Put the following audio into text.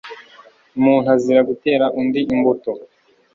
Umuntu azira gutera undi imbuto,